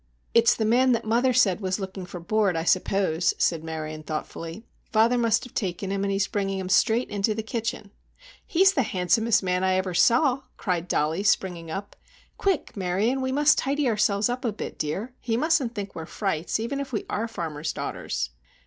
"It's the man that mother said was looking for board, I suppose," said Marion thoughtfully. "Father must have taken him and he's bringing him straight into the kitchen." "He's the handsomest man I ever saw!" cried Dollie, springing up. "Quick! Marion, we must tidy ourselves up a bit, dear! He mustn't think we are frights, even if we are a farmer's daughters!"